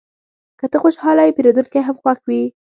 که ته خوشحاله یې، پیرودونکی هم خوښ وي.